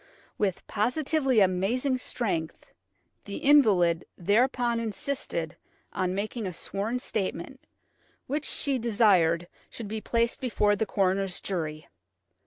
With positively amazing strength, the invalid thereupon insisted on making a sworn statement, which she desired should be placed before the coroner's jury.